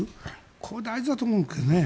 ここ大事だと思うけどね。